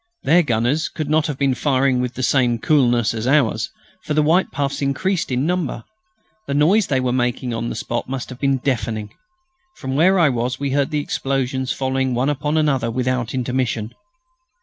Their gunners could not have been firing with the same coolness as ours, for the white puffs increased in number. The noise they were making on the spot must have been deafening. From where I was we heard the explosions following one upon another without intermission.